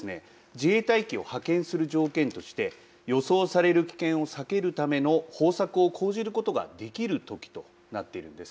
自衛隊機を派遣する条件として予想される危険を避けるための方策を講じることができるときとなっているんです。